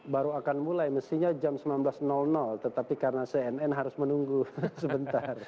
baru akan mulai mestinya jam sembilan belas tetapi karena cnn harus menunggu sebentar